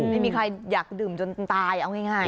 ไม่มีใครอยากดื่มจนตายเอาง่าย